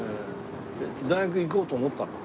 大学行こうと思ったの？